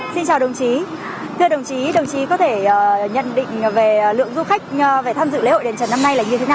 xin chào đồng chí thưa đồng chí đồng chí có thể nhận định về lượng du khách về tham dự lễ hội đền trần năm nay là như thế nào